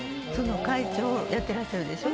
会長やってらっしゃるでしょ。